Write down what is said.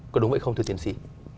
có đúng vậy không thưa tiến sĩ